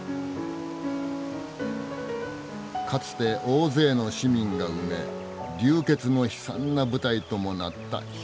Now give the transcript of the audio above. かつて大勢の市民が埋め流血の悲惨な舞台ともなった広場。